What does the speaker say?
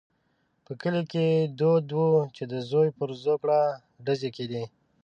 په کلي کې دود وو چې د زوی پر زوکړه ډزې کېدې.